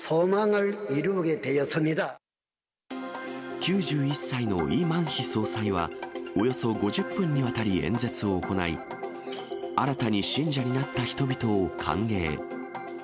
９１歳のイ・マンヒ総裁は、およそ５０分にわたり演説を行い、新たに信者になった人を歓迎。